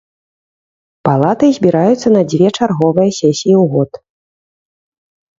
Палаты збіраюцца на дзве чарговыя сесіі ў год.